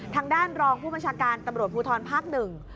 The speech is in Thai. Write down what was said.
ทางด้านรองผู้บัญชาการตำรวจภูทรภาคหนึ่ง